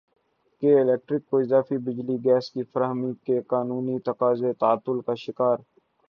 کے الیکٹرک کو اضافی بجلی گیس کی فراہمی کے قانونی تقاضے تعطل کا شکار